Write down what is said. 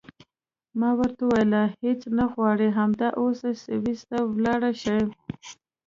ما ورته وویل هېڅ نه غواړې همدا اوس سویس ته ولاړه شې.